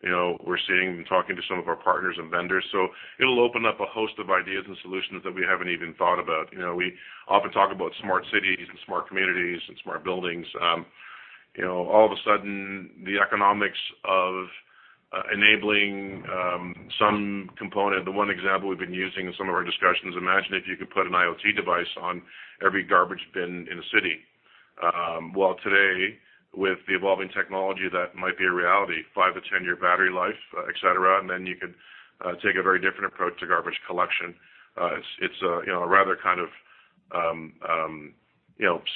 we're seeing and talking to some of our partners and vendors. So it'll open up a host of ideas and solutions that we haven't even thought about. We often talk about smart cities and smart communities and smart buildings. All of a sudden, the economics of enabling some component, the one example we've been using in some of our discussions, imagine if you could put an IoT device on every garbage bin in a city. Well, today, with the evolving technology, that might be a reality: five to 10-year battery life, etc. And then you could take a very different approach to garbage collection. It's a rather kind of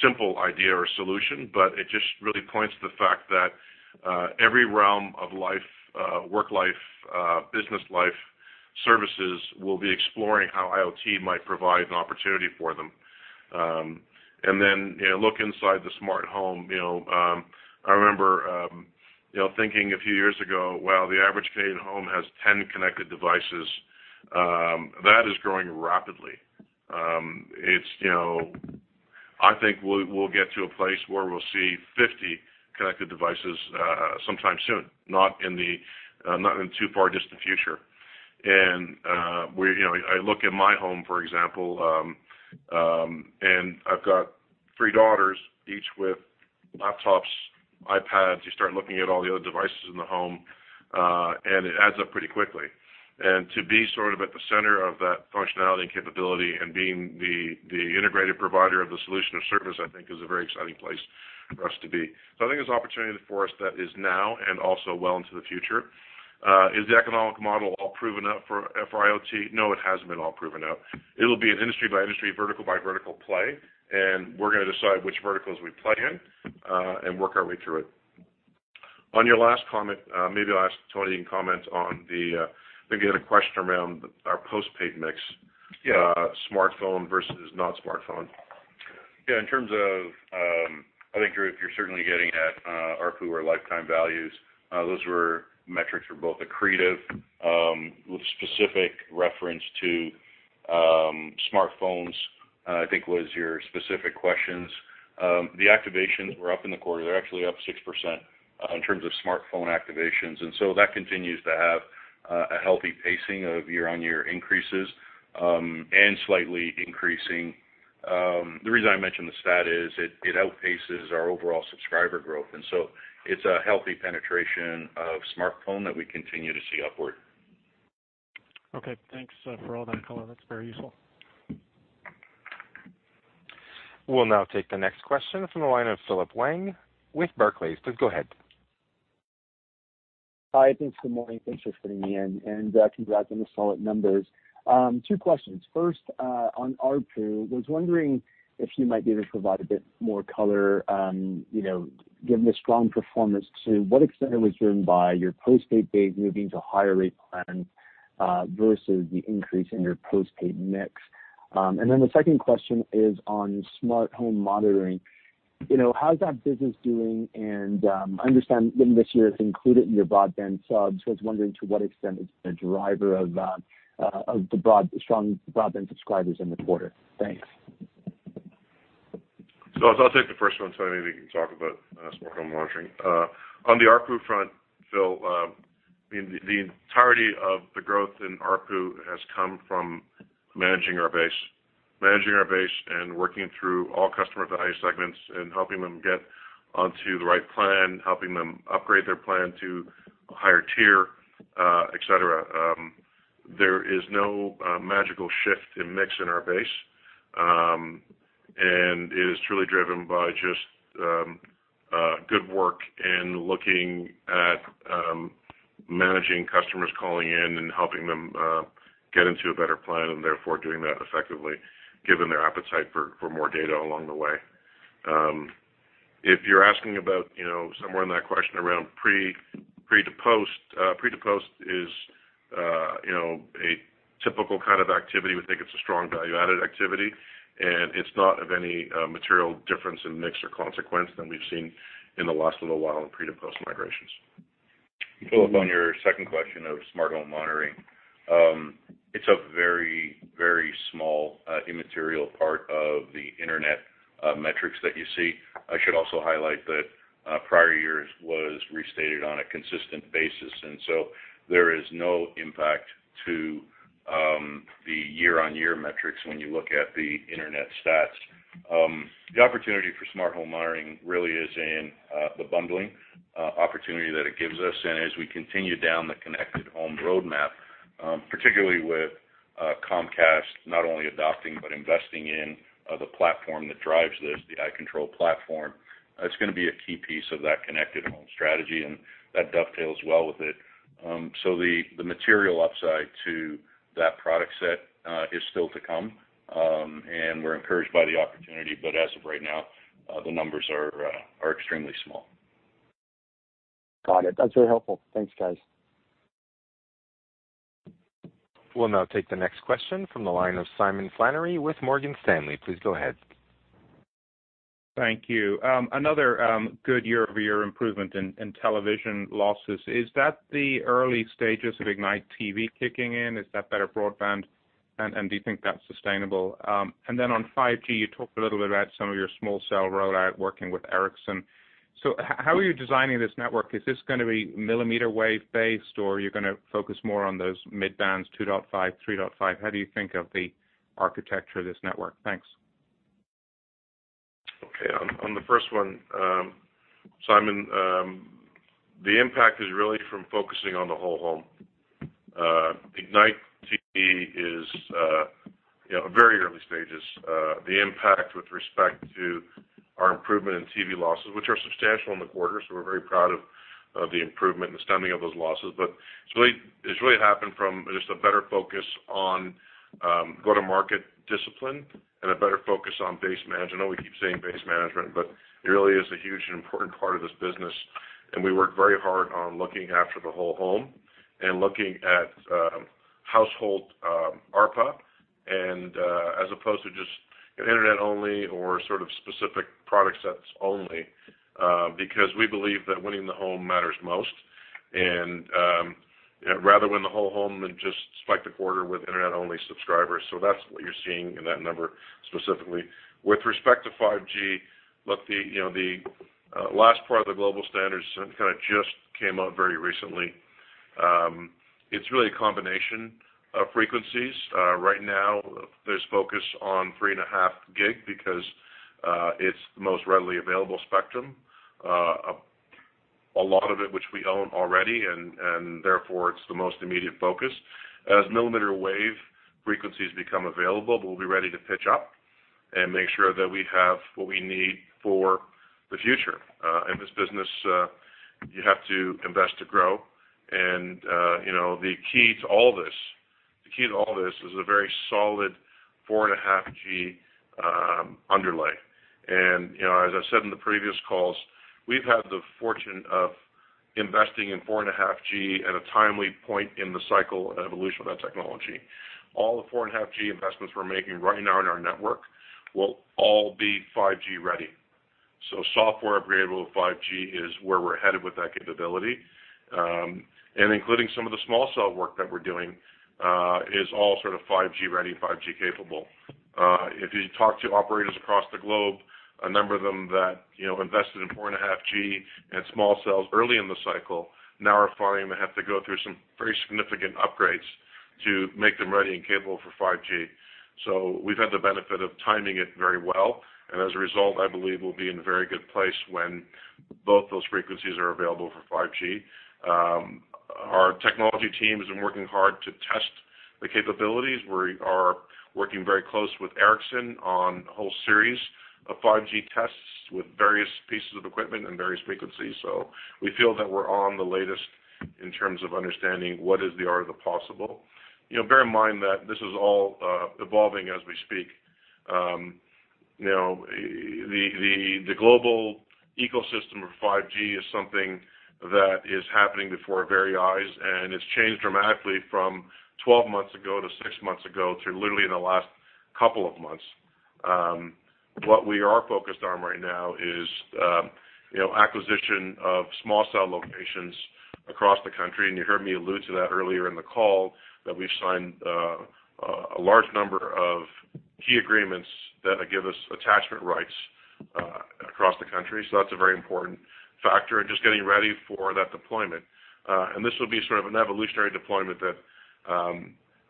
simple idea or solution, but it just really points to the fact that every realm of life, work life, business life, services will be exploring how IoT might provide an opportunity for them, and then look inside the smart home. I remember thinking a few years ago, well, the average Canadian home has 10 connected devices. That is growing rapidly. I think we'll get to a place where we'll see 50 connected devices sometime soon, not in the too far distant future, and I look at my home, for example, and I've got three daughters, each with laptops, iPads. You start looking at all the other devices in the home, and it adds up pretty quickly. To be sort of at the center of that functionality and capability and being the integrated provider of the solution of service, I think, is a very exciting place for us to be. I think there's opportunity for us that is now and also well into the future. Is the economic model all proven up for IoT? No, it hasn't been all proven out. It'll be an industry-by-industry, vertical-by-vertical play. And we're going to decide which verticals we play in and work our way through it. On your last comment, maybe last Tony comment on the I think we had a question around our postpaid mix, smartphone versus not smartphone. Yeah. In terms of, I think, Drew, if you're certainly getting at our lifetime values, those metrics were both accretive with specific reference to smartphones. I think was your specific questions. The activations were up in the quarter. They're actually up 6% in terms of smartphone activations, and so that continues to have a healthy pacing of year-on-year increases and slightly increasing. The reason I mentioned the stat is it outpaces our overall subscriber growth, and so it's a healthy penetration of smartphone that we continue to see upward. Okay. Thanks for all that, Colin. That's very useful. We'll now take the next question from the line of Phillip Huang with Barclays. Please go ahead. Hi. Thanks for the morning. Thanks for fitting me in. And congrats on the solid numbers. Two questions. First, on ARPU, was wondering if you might be able to provide a bit more color, given the strong performance, to what extent it was driven by your postpaid base moving to higher-rate plans versus the increase in your postpaid mix. And then the second question is on Smart Home Monitoring. How's that business doing? And I understand this year it's included in your broadband subs. I was wondering to what extent it's been a driver of the strong broadband subscribers in the quarter. Thanks. So I'll take the first one, so maybe we can talk about Smart Home Monitoring. On the ARPU front, Phil, the entirety of the growth in ARPU has come from managing our base, managing our base, and working through all customer value segments and helping them get onto the right plan, helping them upgrade their plan to a higher tier, etc. There is no magical shift in mix in our base. And it is truly driven by just good work and looking at managing customers calling in and helping them get into a better plan and therefore doing that effectively, given their appetite for more data along the way. If you're asking about somewhere in that question around pre-to-post, pre-to-post is a typical kind of activity. We think it's a strong value-added activity. It's not of any material difference in mix or consequence than we've seen in the last little while in pre-to-post migrations. Phillip, on your second question of Smart Home Monitoring, it's a very, very small immaterial part of the internet metrics that you see. I should also highlight that prior years was restated on a consistent basis. So there is no impact to the year-on-year metrics when you look at the internet stats. The opportunity for Smart Home Monitoring really is in the bundling opportunity that it gives us. As we continue down the connected home roadmap, particularly with Comcast not only adopting but investing in the platform that drives this, the iControl platform, it's going to be a key piece of that connected home strategy. That dovetails well with it. The material upside to that product set is still to come. We're encouraged by the opportunity. As of right now, the numbers are extremely small. Got it. That's very helpful. Thanks, guys. We'll now take the next question from the line of Simon Flannery with Morgan Stanley. Please go ahead. Thank you. Another good year-over-year improvement in television losses. Is that the early stages of Ignite TV kicking in? Is that better broadband? And do you think that's sustainable? And then on 5G, you talked a little bit about some of your small cell rollout working with Ericsson. So how are you designing this network? Is this going to be millimeter wave-based, or are you going to focus more on those mid-bands, 2.5, 3.5? How do you think of the architecture of this network? Thanks. Okay. On the first one, Simon, the impact is really from focusing on the whole home. Ignite TV is very early stages. The impact with respect to our improvement in TV losses, which are substantial in the quarter, so we're very proud of the improvement and the stemming of those losses. But it's really happened from just a better focus on go-to-market discipline and a better focus on base management. I know we keep saying base management, but it really is a huge and important part of this business. And we work very hard on looking after the whole home and looking at household ARPA as opposed to just internet-only or sort of specific product sets only because we believe that winning the home matters most. And rather win the whole home than just spike the quarter with internet-only subscribers. So that's what you're seeing in that number specifically. With respect to 5G, the last part of the global standards kind of just came out very recently. It's really a combination of frequencies. Right now, there's focus on 3.5 gig because it's the most readily available spectrum, a lot of it which we own already. And therefore, it's the most immediate focus. As millimeter wave frequencies become available, we'll be ready to pitch up and make sure that we have what we need for the future. In this business, you have to invest to grow. And the key to all this, the key to all this is a very solid 4.5G underlay. And as I said in the previous calls, we've had the fortune of investing in 4.5G at a timely point in the cycle evolution of that technology. All the 4.5G investments we're making right now in our network will all be 5G ready. So software upgradable 5G is where we're headed with that capability. And including some of the small cell work that we're doing is all sort of 5G ready, 5G capable. If you talk to operators across the globe, a number of them that invested in 4.5G and small cells early in the cycle now are finding they have to go through some very significant upgrades to make them ready and capable for 5G. So we've had the benefit of timing it very well. And as a result, I believe we'll be in a very good place when both those frequencies are available for 5G. Our technology team has been working hard to test the capabilities. We are working very close with Ericsson on a whole series of 5G tests with various pieces of equipment and various frequencies. We feel that we're on the latest in terms of understanding what is the art of the possible. Bear in mind that this is all evolving as we speak. The global ecosystem of 5G is something that is happening before our very eyes. It's changed dramatically from 12 months ago to six months ago to literally in the last couple of months. What we are focused on right now is acquisition of small cell locations across the country. You heard me allude to that earlier in the call that we've signed a large number of key agreements that give us attachment rights across the country. That's a very important factor and just getting ready for that deployment. This will be sort of an evolutionary deployment that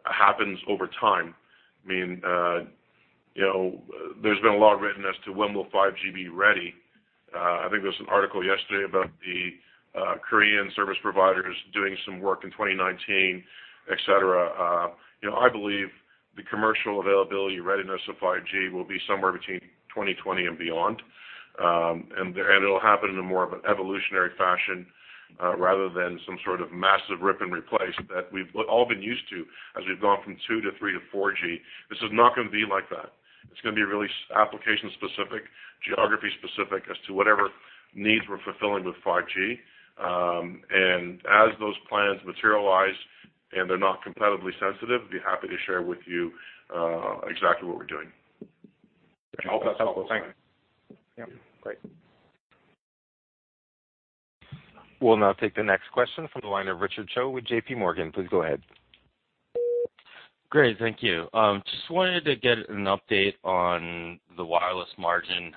happens over time. I mean, there's been a lot of readiness to when will 5G be ready. I think there was an article yesterday about the Korean service providers doing some work in 2019, etc. I believe the commercial availability readiness of 5G will be somewhere between 2020 and beyond, and it'll happen in a more of an evolutionary fashion rather than some sort of massive rip and replace that we've all been used to as we've gone from 2 to 3 to 4G. This is not going to be like that. It's going to be really application-specific, geography-specific as to whatever needs we're fulfilling with 5G. And as those plans materialize and they're not competitively sensitive, I'd be happy to share with you exactly what we're doing. All that's helpful. Thanks. Yep. Great. We'll now take the next question from the line of Richard Choe with J.P. Morgan. Please go ahead. Great. Thank you. Just wanted to get an update on the wireless margin.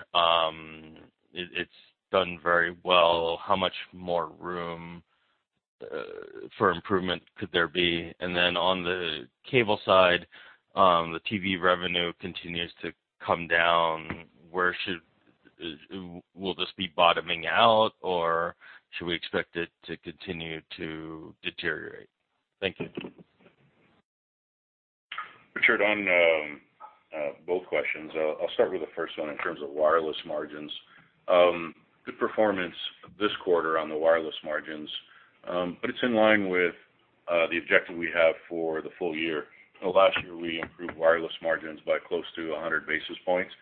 It's done very well. How much more room for improvement could there be? And then on the cable side, the TV revenue continues to come down. Will this be bottoming out, or should we expect it to continue to deteriorate? Thank you. Richard, on both questions, I'll start with the first one in terms of wireless margins. Good performance this quarter on the wireless margins, but it's in line with the objective we have for the full year. Last year, we improved wireless margins by close to 100 basis points.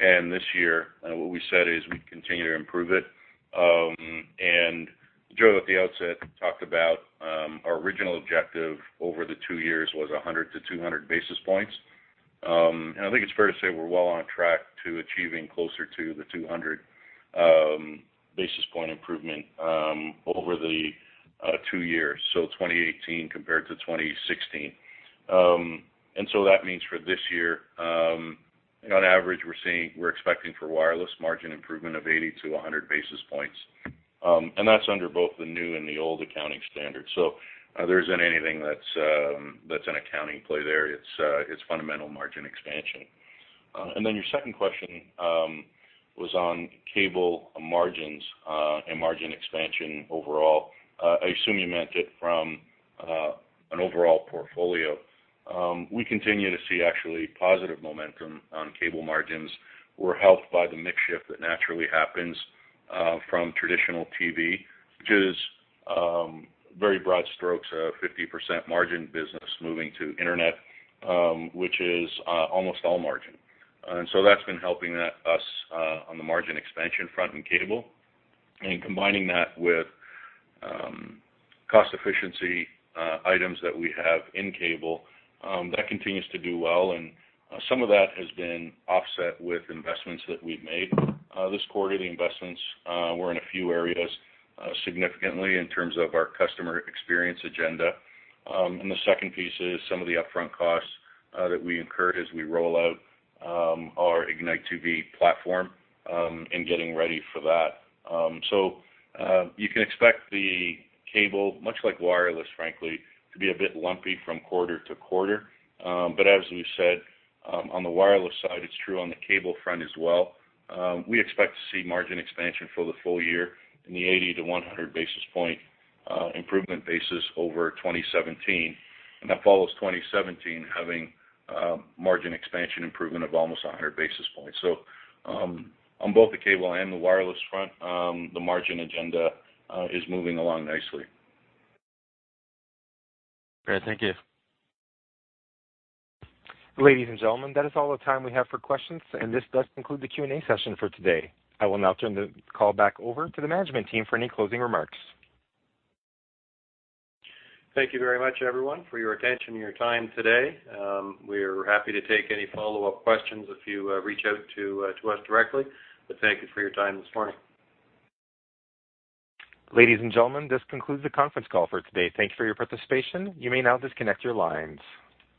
And this year, what we said is we continue to improve it. And Joe at the outset talked about our original objective over the two years was 100-200 basis points. And I think it's fair to say we're well on track to achieving closer to the 200 basis point improvement over the two years, so 2018 compared to 2016. And so that means for this year, on average, we're expecting for wireless margin improvement of 80-100 basis points. And that's under both the new and the old accounting standard. So there isn't anything that's an accounting play there. It's fundamental margin expansion, and then your second question was on cable margins and margin expansion overall. I assume you meant it from an overall portfolio. We continue to see actually positive momentum on cable margins. We're helped by the mix shift that naturally happens from traditional TV, which is very broad strokes, a 50% margin business moving to internet, which is almost all margin, and so that's been helping us on the margin expansion front in cable. And combining that with cost-efficiency items that we have in cable, that continues to do well. And some of that has been offset with investments that we've made this quarter. The investments were in a few areas, significantly in terms of our customer experience agenda, and the second piece is some of the upfront costs that we incur as we roll out our Ignite TV platform and getting ready for that. You can expect the cable, much like wireless, frankly, to be a bit lumpy from quarter to quarter. As we said, on the wireless side, it's true on the cable front as well. We expect to see margin expansion for the full year in the 80 to 100 basis point improvement over 2017. That follows 2017 having margin expansion improvement of almost 100 basis points. On both the cable and the wireless front, the margin agenda is moving along nicely. Great. Thank you. Ladies and gentlemen, that is all the time we have for questions. And this does conclude the Q&A session for today. I will now turn the call back over to the management team for any closing remarks. Thank you very much, everyone, for your attention and your time today. We are happy to take any follow-up questions if you reach out to us directly. But thank you for your time this morning. Ladies and gentlemen, this concludes the conference call for today. Thank you for your participation. You may now disconnect your lines.